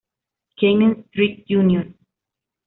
Kenneth Street, Jr.